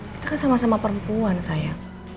kita kan sama sama perempuan saya